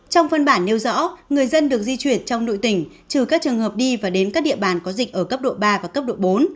trong phân bản nêu rõ người dân được di chuyển trong nội tỉnh trừ các trường hợp đi và đến các địa bàn có dịch ở cấp độ ba và cấp độ bốn